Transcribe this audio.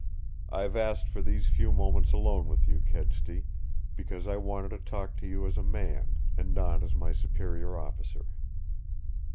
"I've asked for these few moments alone with you, Kedsty, because I wanted to talk to you as a man, and not as my superior officer.